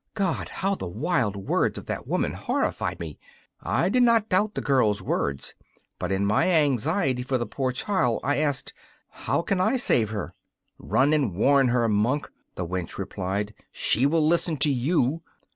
God! how the wild words of that woman horrified me! I did not doubt the girl's words, but in my anxiety for the poor child I asked: 'How can I save her?' 'Run and warn her, monk,' the wench replied: 'she will listen to you.